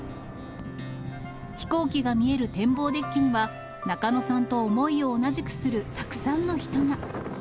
飛行機が見える展望デッキには、中野さんと思いを同じくするたくさんの人が。